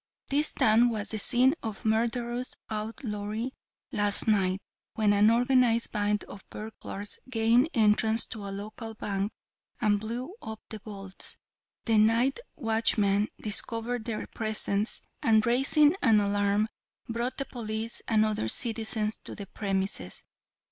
This town was the scene of murderous outlawry last night when an organized band of burglars gained entrance to a local bank, and blew up the vaults. The night watchman discovered their presence, and raising an alarm brought the police and other citizens to the premises.